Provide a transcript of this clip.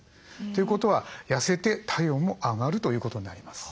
ということは痩せて体温も上がるということになります。